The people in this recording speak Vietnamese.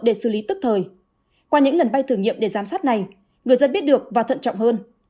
để xử lý tức thời qua những lần bay thử nghiệm để giám sát này người dân biết được và thận trọng hơn